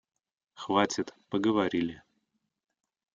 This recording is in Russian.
Хватит, поговорили!